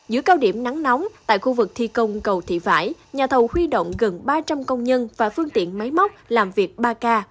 giữa cao điểm nắng nóng tại khu vực thi công cầu thị vải nhà thầu huy động gần ba trăm linh công nhân và phương tiện máy móc làm việc ba k